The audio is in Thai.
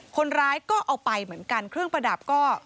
คนร้ายก็เอาไปเหมือนกันเครื่องประดับก็